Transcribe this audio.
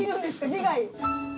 自害？